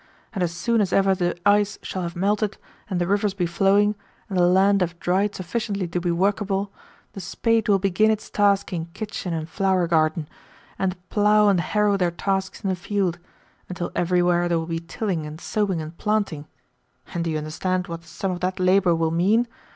And as soon as ever the ice shall have melted, and the rivers be flowing, and the land have dried sufficiently to be workable, the spade will begin its task in kitchen and flower garden, and the plough and the harrow their tasks in the field; until everywhere there will be tilling and sowing and planting. And do you understand what the sum of that labour will mean?